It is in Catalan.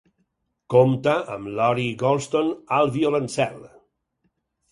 Compta amb Lori Goldston al violoncel.